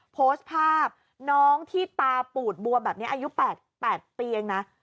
โพสต์ภาพน้องที่ตาปูดบวมแบบนี้อายุ๘ปีเองนะ